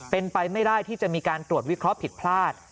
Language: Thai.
เป็นไปไม่ได้ที่จะมีการตรวจวิเคราะห์ผิดพลาด